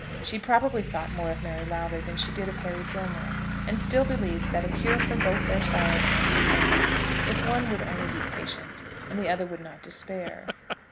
She probably thought more of Mary Lowther than she did of Harry Gilmore, and still believed that a cure for both their sorrows might be found, if one would only be patient, and the other would not despair.